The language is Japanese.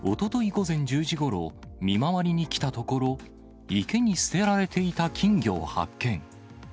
午前１０時ごろ、見回りに来たところ、池に捨てられていた金魚を発見。